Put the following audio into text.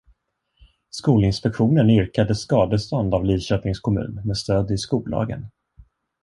Skolinspektionen yrkade skadestånd av Lidköpings kommun med stöd i skollagen.